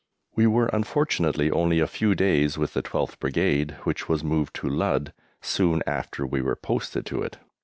We were unfortunately only a few days with the 12th Brigade, which was moved to Ludd soon after we were posted to it.